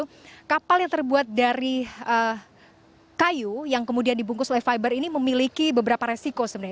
karena kapal yang terbuat dari kayu yang kemudian dibungkus oleh fiber ini memiliki beberapa resiko sebenarnya